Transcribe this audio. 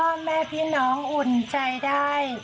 ก็ขอฝากให้พ่อแม่พี่น้องอุ่นใจได้